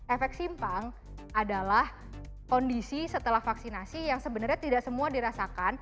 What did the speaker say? efek simpang adalah kondisi setelah vaksinasi yang sebenarnya tidak semua dirasakan